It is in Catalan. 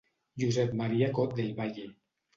Josep Maria Cot del Valle.